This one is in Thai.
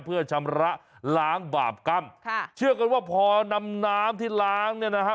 เพื่อชำระล้างบาปกรรมค่ะเชื่อกันว่าพอนำน้ำที่ล้างเนี่ยนะฮะ